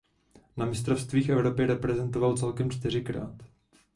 Na mistrovstvích Evropy reprezentoval celkem čtyřikrát.